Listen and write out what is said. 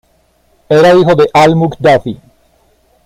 Era hijo de al-Muktafi.